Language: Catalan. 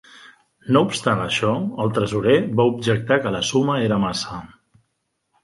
No obstant això, el tresorer, va objectar que la suma era massa.